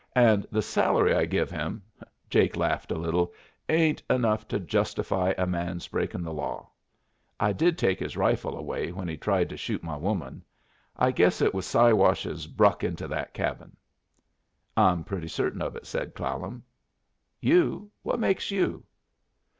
And the salary I give him" Jake laughed a little "ain't enough to justify a man's breaking the law. I did take his rifle away when he tried to shoot my woman. I guess it was Siwashes bruck into that cabin." "I'm pretty certain of it," said Clallam. "You? What makes you?"